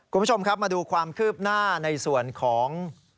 คุณผู้ชมครับมาดูความคืบหน้าในส่วนของ